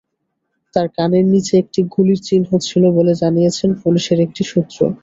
তাঁর কানের নিচে একটি গুলির চিহ্ন ছিল বলে জানিয়েছে পুলিশের একটি সূত্র।